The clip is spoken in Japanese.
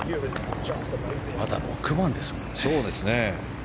まだ６番ですもんね。